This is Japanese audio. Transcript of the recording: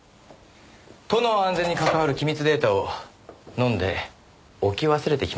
都の安全に関わる機密データを飲んで置き忘れてきましたか。